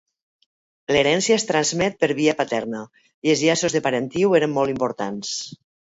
L'herència es transmet per via paterna, i els llaços de parentiu eren molt importants.